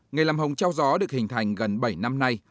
ngày làm hồng trao gió được hình thành gần bảy năm nay